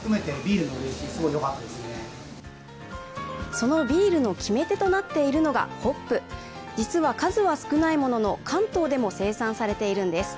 そのビールの決め手となっているのがホップ実は数は少ないものの関東でも生産されているんです。